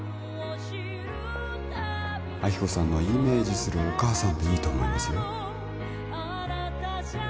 亜希子さんのイメージするお母さんでいいと思いますよ